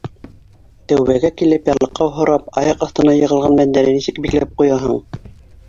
Тәүбәгә килеп, ярлыҡау һорап аяҡ аҫтына йығылған бәндәне нисек бикләп ҡуяһың?